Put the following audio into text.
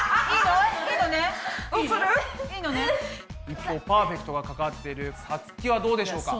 一方パーフェクトがかかってるさつきはどうでしょうか？